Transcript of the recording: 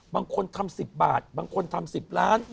บางคนทำสิบบาทบางคนทำสิบล้าน